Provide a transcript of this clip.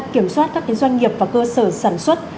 kiểm soát các doanh nghiệp và cơ sở sản xuất